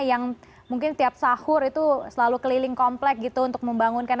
yang mungkin setiap sahur itu selalu keliling komplek gitu untuk membangunkan